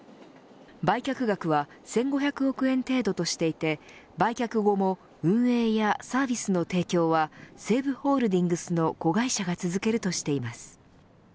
売却額は１５００億円程度としていて売却後も運営やサービスの提供は西武ホールディングスの子会社が続けるとしています。